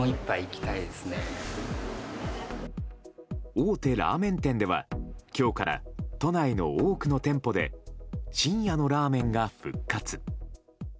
大手ラーメン店では今日から、都内の多くの店舗で深夜のラーメンが復活。